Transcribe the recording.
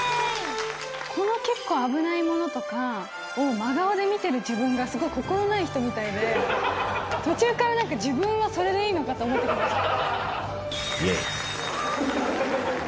この結構危ないものとかを真顔で見てる自分がすごく心ない人みたいで、途中からなんか、自分はそれでいいのかと思ってきました。